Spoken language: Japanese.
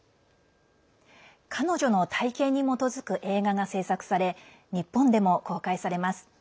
彼女の体験に基づく映画が製作され、日本でも公開されます。